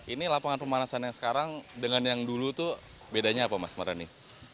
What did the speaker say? ini lapangan pemanasan yang sekarang dengan yang dulu tuh bedanya apa mas mardhani